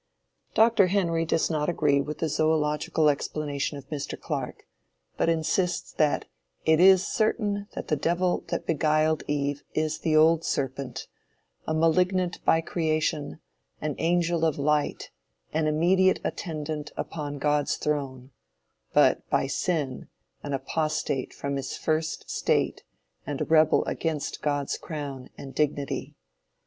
Dr. Henry does not agree with the zoological explanation of Mr. Clark, but insists that "it is certain that the devil that beguiled Eve is the old serpent, a malignant by creation, an angel of light, an immediate attendant upon God's throne, but by sin an apostate from his first state, and a rebel against God's crown and dignity.